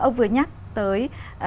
ông vừa nhắc tới